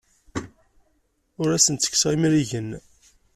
Ur asen-ttekkseɣ imrigen.